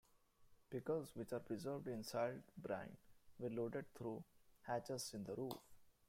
Pickles which are preserved in salt brine were loaded through hatches in the roof.